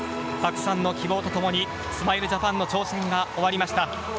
たくさんの希望と共にスマイルジャパンの挑戦が終わりました。